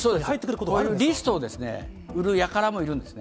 こういうリストを売るやからもいるんですね。